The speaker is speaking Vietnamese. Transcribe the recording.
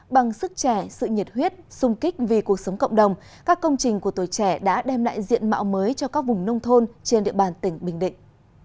bằng sức trẻ sự nhiệt huyết sung kích vì cuộc sống cộng đồng các công trình của tuổi trẻ đã đem lại diện mạo mới cho các vùng nông thôn trên địa bàn tỉnh bình định